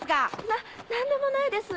な何でもないです。